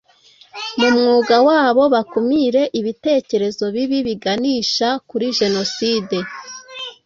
Mu mwuga wabo bakumire ibitekerezo bibi biganisha kuri jenoside